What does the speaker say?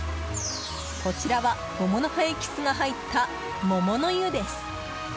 こちらは桃の葉エキスが入った桃の湯です。